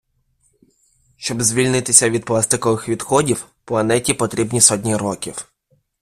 Щоб звільнитися від пластикових відходів, планеті потрібні сотні років.